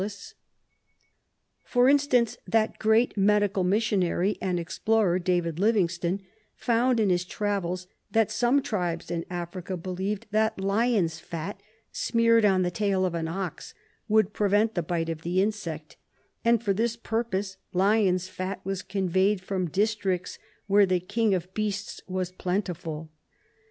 2 RESEARCH DEFENCE SOCIETY For instance, that great medical missionary and ex plorer, David Livingstone, found in his travels that some tribes in Africa believed that lion's fat, smeared on the tail of an ox, Avonld prevent the bite of the insect, and for this purpose lion's fat was conveyed from districts where the king of beasts was plentiful.